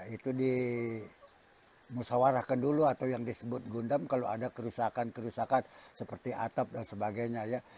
itu dimusawarahkan dulu atau yang disebut gundam kalau ada kerusakan kerusakan seperti atap dan sebagainya ya